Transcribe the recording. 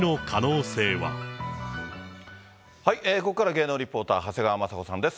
ここからは芸能リポーター、長谷川まさ子さんです。